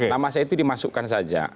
nama saya itu dimasukkan saja